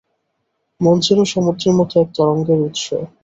মন যেন সমুদ্রের মত এক তরঙ্গের উৎস।